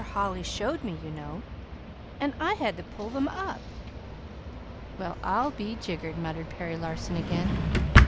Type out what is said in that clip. Holly showed me, you know, and I had to pull them up." "Well, I'll be jiggered!" muttered Perry Larson again.